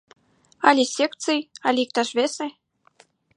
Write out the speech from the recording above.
Але секций, але иктаж весе?